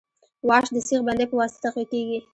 واش د سیخ بندۍ په واسطه تقویه کیږي